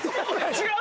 違う！